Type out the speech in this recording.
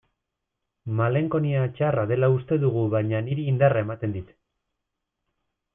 Malenkonia txarra dela uste dugu baina niri indarra ematen dit.